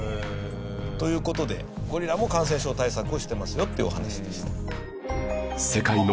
という事でゴリラも感染症対策をしてますよっていうお話でした。